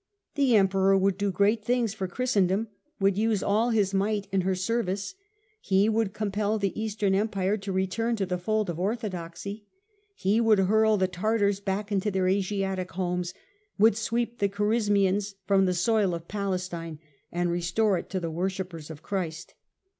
The Emperor would do great things for Christendom, would use all his might in her service. He would compel the Eastern Empire to return to the fold of orthodoxy; he would hurl the Tartars back into their Asiatic homes, would sweep the Khar ismians from the soil of Palestine and restore it to the worshippers of Christ.